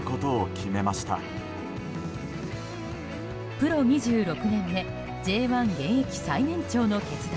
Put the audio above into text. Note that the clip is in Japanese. プロ２６年目Ｊ１現役最年長の決断。